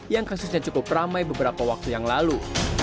yang kasusnya cukup ramai beberapa waktu yang lalu